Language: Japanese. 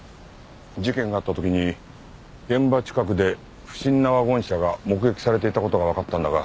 事件があった時に現場近くで不審なワゴン車が目撃されていた事がわかったんだが。